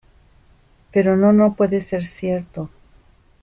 Pero no no puede ser cierto